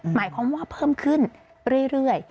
หมายความว่าเพิ่มขึ้นเรื่อย